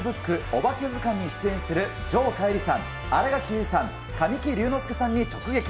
おばけずかんに出演する城桧吏さん、新垣結衣さん、神木隆之介さんに直撃。